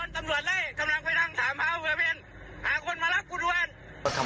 ส่งมาขอความช่วยเหลือจากเพื่อนครับ